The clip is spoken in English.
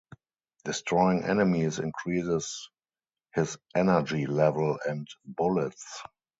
Destroying enemies increases his energy level and bullets.